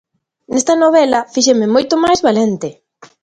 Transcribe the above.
Nesta novela fíxenme moito máis valente.